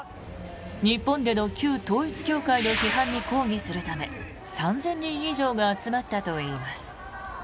日本での旧統一教会の批判に抗議するため３０００人以上が集まったといいます。